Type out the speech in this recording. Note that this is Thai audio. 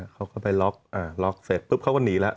เขาก็ไปล็อกล็อกเสร็จปุ๊บเขาก็หนีแล้ว